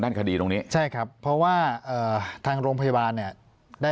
ปากกับภาคภูมิ